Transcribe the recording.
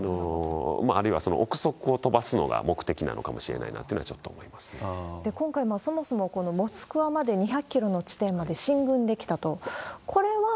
あるいは臆測を飛ばすのが目的なのかもしれないなというのは、ち今回、そもそもモスクワまで２００キロの地点まで進軍できたと。